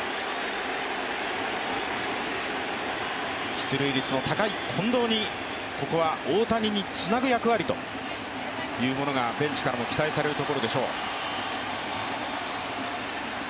出塁率の高い近藤に、ここは大谷につなぐ役割がベンチからも期待されるところでしょう。